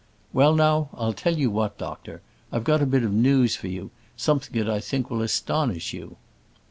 "Well, now; I'll tell you what, doctor; I've got a bit of news for you; something that I think will astonish you."